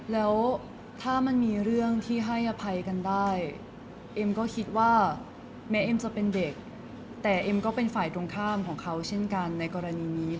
แล้วถ้ามันมีเรื่องที่ให้อภัยกันได้เอ็มก็คิดว่าแม้เอ็มจะเป็นเด็กแต่เอ็มก็เป็นฝ่ายตรงข้ามของเขาเช่นกันในกรณีนี้